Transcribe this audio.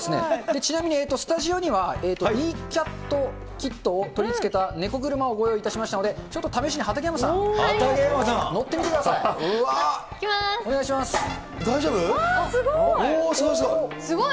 ちなみに、スタジオには、ＥーＣａｔｋｉｔを取り付けたネコ車をご用意いたしましたので、ちょっと試しに畠山さん、乗ってみてください。